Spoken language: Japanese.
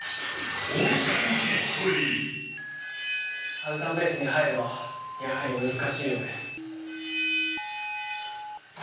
サウザンベースに入るのはやはり難しいようです。